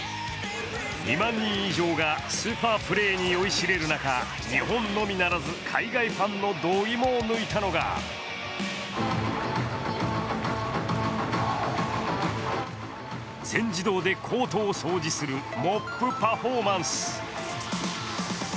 ２万人以上がスーパープレーに酔いしれる中、日本のみならず、海外ファンのどぎもを抜いたのが全自動でコートを掃除するモップパフォーマンス。